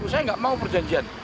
saya nggak mau perjanjian